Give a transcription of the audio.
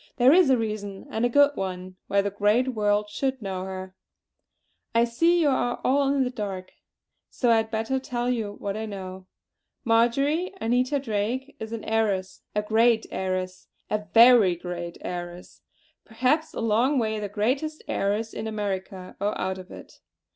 There is a reason, and a good one, why the great world should know her. I see you are all in the dark; so I had better tell you what I know. Marjory Anita Drake is an heiress, a great heiress, a very great heiress; perhaps a long way the greatest heiress in America, or out of it.